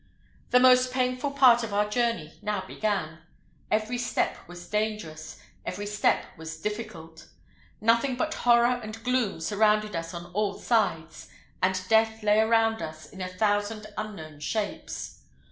The most painful part of our journey now began. Every step was dangerous every step was difficult; nothing but horror and gloom surrounded us on all sides, and death lay around us in a thousand unknown shapes.